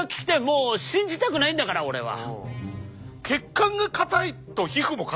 もう信じたくないんだから俺は。